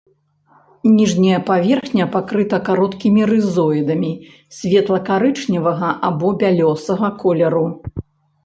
Ніжняя паверхня пакрыта кароткімі рызоідамі, светла-карычневага або бялёсага колеру.